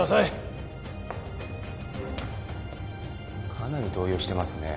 かなり動揺してますね。